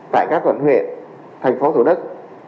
tại các quận huyện thành phố thủ đức